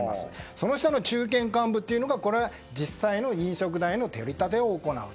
その下の中堅幹部というのが実際の飲食代の取り立てを行う。